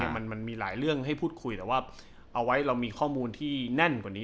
มันมีหลายเรื่องให้พูดคุยแต่ว่าเอาไว้เรามีข้อมูลที่แน่นกว่านี้